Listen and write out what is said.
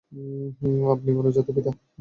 আপনি মানব জাতির পিতা।